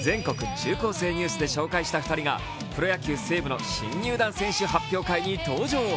中高生ニュース」で紹介した２人がプロ野球・西武の新入団選手発表会に登場。